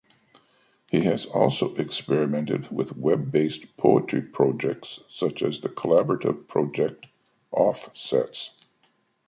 He has also experimented with web-based poetry projects such as the collaborative project "OffSets".